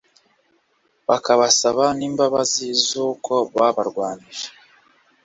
bakabasaba n'imbabazi z'uko babarwanyije